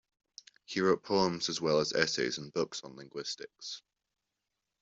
He wrote poems as well as essays and books on linguistics.